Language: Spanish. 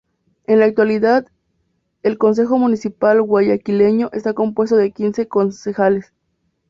En la actualidad, el Concejo Municipal guayaquileño está compuesto de quince concejales.